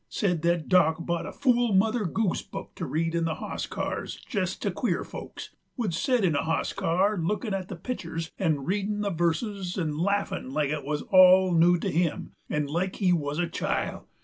Said that Dock bought a fool Mother Goose book to read in the hoss cars jest to queer folks; would set in a hoss car lookin' at the pictur's 'nd readin' the verses 'nd laffin' like it wuz all new to him 'nd like he wuz a child.